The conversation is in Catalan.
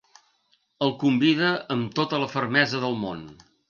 El convida amb tota la fermesa del món.